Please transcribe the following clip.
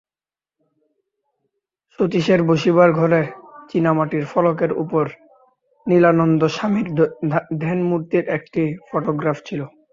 শচীশের বসিবার ঘরে চীনামাটির ফলকের উপর লীলানন্দস্বামীর ধ্যানমূর্তির একটি ফোটোগ্রাফ ছিল।